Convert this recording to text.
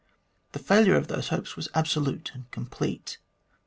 The failure of those hopes was absolute and complete.